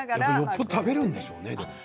いっぱい食べるんでしょうね。